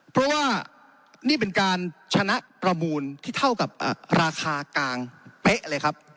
เพราะว่านี่เป็นการชนะประมูลที่เท่ากับราคากลางเป๊ะเลยครับ